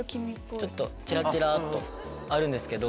チラチラっとあるんですけど。